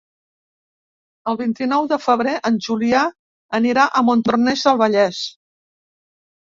El vint-i-nou de febrer en Julià anirà a Montornès del Vallès.